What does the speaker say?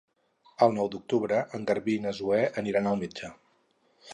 El nou d'octubre en Garbí i na Zoè aniran al metge.